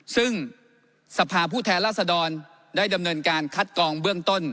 ซึ่งสภาพผู้แทนราษดรได้ดำเนินการคัดกองเบื้องต้น